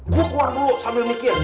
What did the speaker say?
dia keluar dulu sambil mikir